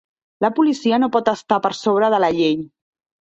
La policia no pot estar per sobre de la llei.